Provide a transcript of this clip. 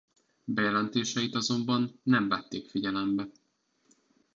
Bejelentéseit azonban nem vették figyelembe.